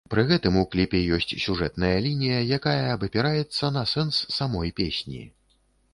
Пры гэтым у кліпе ёсць сюжэтная лінія, якая абапіраецца на сэнс самой песні.